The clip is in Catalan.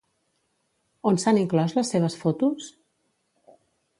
On s'han inclòs les seves fotos?